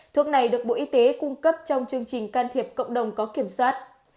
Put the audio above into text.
thuốc này được bộ y tế cung cấp trong chương trình can thiệp cộng đồng có kiểm soát